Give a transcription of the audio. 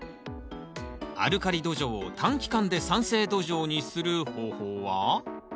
アルカリ土壌を短期間で酸性土壌にする方法は？